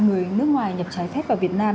người nước ngoài nhập trái phép vào việt nam